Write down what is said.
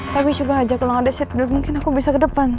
tapi coba aja kalau nggak ada mungkin aku bisa ke depan